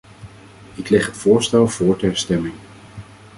Ik leg het voorstel voor ter stemming.